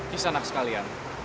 kisah anak sekalian